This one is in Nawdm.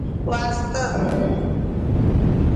Waasa.